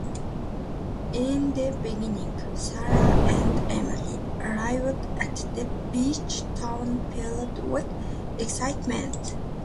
In the beginning, Sarah and Emily arrived at the beach town filled with excitement.